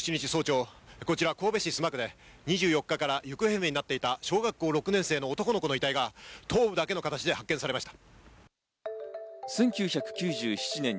２７日早朝、こちら神戸市須磨区で２４日から行方不明になっていた小学校６年生の男の子の遺体が頭部だけの形で発見されました。